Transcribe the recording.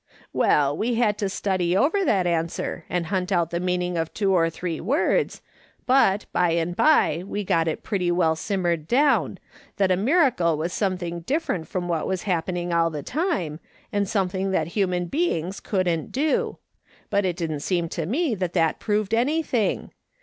" Well, we had to study over that answer and hunt out the meaning of two or three words, but by and by we got it pretty well simmered down, that a nnracle was something different from what was hap pening all the time, and something that human beings couldn't do ; but it didn't seem to me that that proved anything.